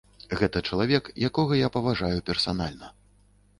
Гэта чалавек, якога я паважаю персанальна.